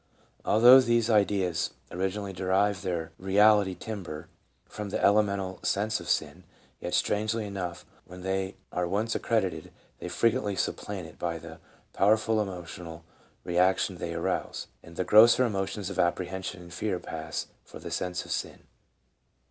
Al though these ideas originally derive their reality timbre from the elemental sense of sin, yet, strangely enough, when they are once accredited, they frequently supplant it by the power ful emotional reaction they arouse, and the grosser emotions of apprehension and fear pass for the sense of sin.